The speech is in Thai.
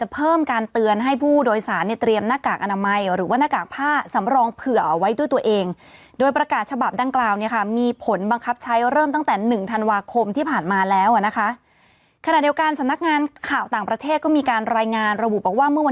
ก็คือเหมือนแบบหูมันผิดรูป